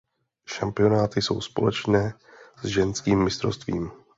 Šampionáty jsou společné s ženským mistrovstvím.